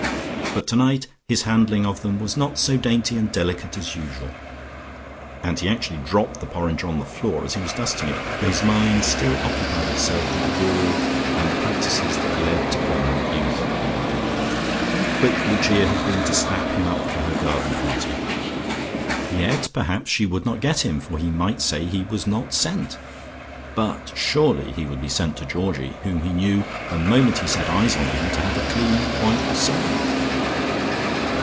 But tonight his handling of them was not so dainty and delicate as usual, and he actually dropped the porringer on the floor as he was dusting it, for his mind still occupied itself with the Guru and the practices that led to permanent youth. How quick Lucia had been to snap him up for her garden party. Yet perhaps she would not get him, for he might say he was not sent. But surely he would be sent to Georgie, whom he knew, the moment he set eyes on him to have a clean white soul....